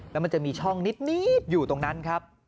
แล้วมันจะมีช่องนิดอยู่ตรงนั้นครับ